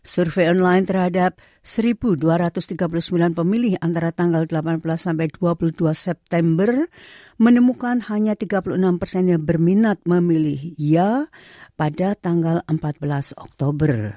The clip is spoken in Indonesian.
survei online terhadap satu dua ratus tiga puluh sembilan pemilih antara tanggal delapan belas sampai dua puluh dua september menemukan hanya tiga puluh enam persen yang berminat memilih ia pada tanggal empat belas oktober